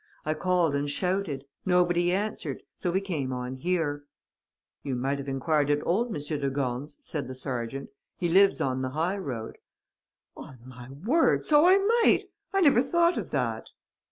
I called and shouted. Nobody answered. So we came on here." "You might have enquired at old M. de Gorne's," said the sergeant. "He lives on the high road." "On my word, so I might! I never thought of that."